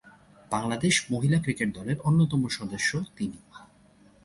বাংলাদেশ মহিলা ক্রিকেট দলের অন্যতম সদস্য তিনি।